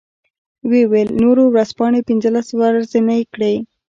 و یې ویل نورو ورځپاڼې پنځلس ورځنۍ کړې.